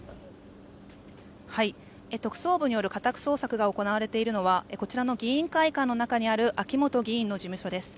特捜部による家宅捜索が行われているのはこちらの議員会館の中にある秋本議員の事務所です。